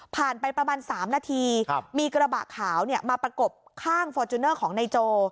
ไปประมาณ๓นาทีมีกระบะขาวมาประกบข้างฟอร์จูเนอร์ของนายโจ